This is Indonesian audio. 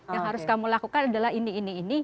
yang harus kamu lakukan adalah ini ini ini